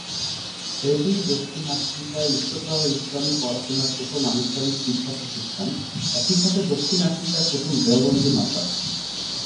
এটিই দক্ষিণ আফ্রিকায় উচ্চতর ইসলামি পড়াশোনার প্রথম আনুষ্ঠানিক শিক্ষা প্রতিষ্ঠান, একইসাথে দক্ষিণ আফ্রিকার প্রথম দেওবন্দি মাদ্রাসা।